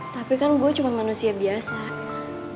tapi kan gue cuma manusia biasa